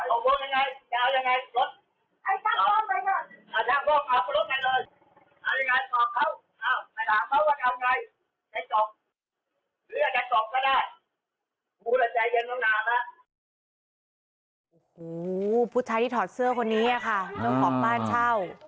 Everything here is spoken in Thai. โอ้โหผู้ชายที่ถอดเสื้อคนนี้ค่ะเจ้าของบ้านเช่า